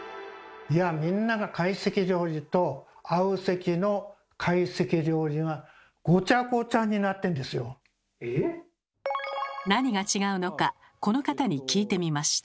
いやぁみんなが何が違うのかこの方に聞いてみました。